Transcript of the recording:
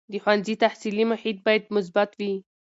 د ښوونځي تحصیلي محیط باید مثبت وي.